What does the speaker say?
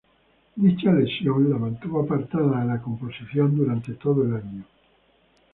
Dicha lesión la mantuvo apartada de la competición durante todo el año.